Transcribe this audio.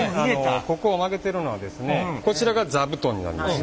ここを曲げてるのはこちらが座布団になります。